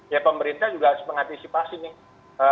ya pemerintah juga harus mengantisipasi nih